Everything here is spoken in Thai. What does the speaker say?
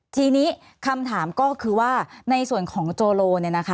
ทีนี้คำถามก็คือว่าในส่วนของโจโล